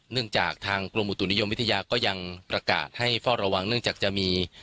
จากทางกรมอุตุนิยมวิทยาก็ยังประกาศให้เฝ้าระวังเนื่องจากจะมี